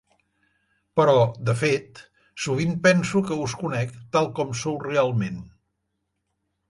Però, de fet, sovint penso que us conec tal com sou realment.